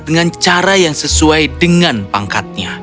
dengan cara yang sesuai dengan pangkatnya